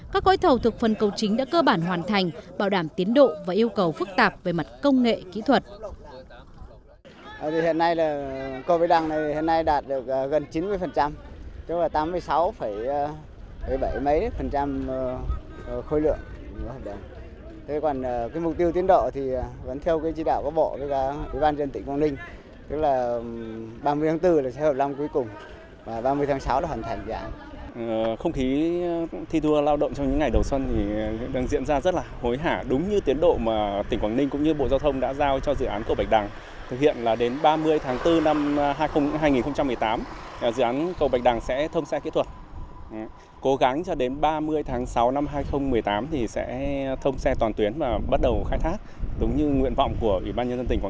các gói thầu thực phân cầu chính đã cơ bản hoàn thành bảo đảm tiến độ và yêu cầu phức tạp về mặt công nghệ kỹ thuật